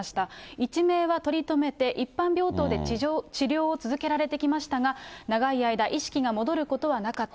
一命は取り留めて、一般病棟で治療を続けられてきましたが、長い間、意識が戻ることはなかった。